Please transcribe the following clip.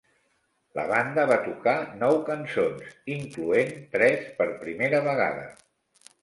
La banda va tocar nou cançons, incloent tres per primera vegada.